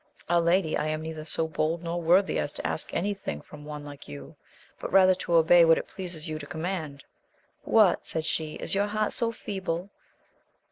— Ah, lady ! I am neither so bold nor worthy as to ask any thing from one like you, but rather to obey what it pleases you to com mand. What ! said she, is your heart so feeble?